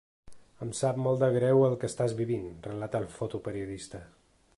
Em sap molt de greu el que estàs vivint, relata el fotoperiodista.